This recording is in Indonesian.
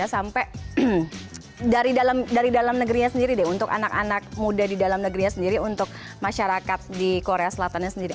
sampai dari dalam negerinya sendiri deh untuk anak anak muda di dalam negerinya sendiri untuk masyarakat di korea selatannya sendiri